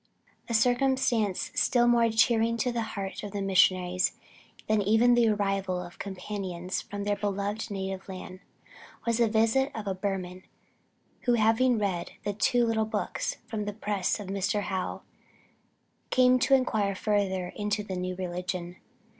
A circumstance still more cheering to the hearts of the missionaries than even the arrival of companions from their beloved native land, was a visit of a Burman who having read the "two little books" from the press of Mr. Hough, came to inquire further into the new religion.